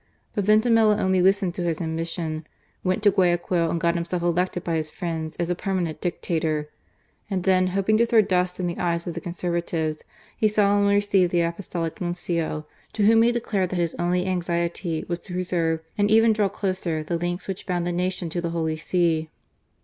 But Vintimilla, only listening to his ambition, went to Guayaquil and got himself elected by his friends as a permanent Dictator; and then hoping to throw dust in the eyes of the Conservatives, he solemnly received the Apostolic Nuncio, to whom he declared that his only anxiety was to preserve and even draw closer the links which bound the nation to the Holy See.